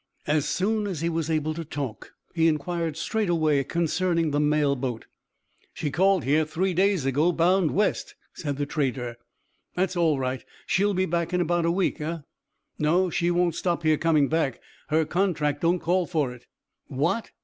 As soon as he was able to talk he inquired straightway concerning the mail boat. "She called here three days ago, bound west," said the trader. "That's all right. She'll be back in about a week, eh?" "No; she won't stop here coming back. Her contract don't call for it." "What!"